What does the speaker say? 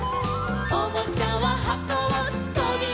「おもちゃははこをとびだして」